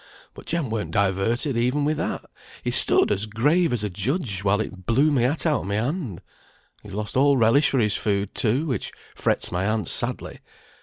But Jem weren't diverted even with that; he stood as grave as a judge while it blew my hat out o' my hand. He's lost all relish for his food, too, which frets my aunt sadly.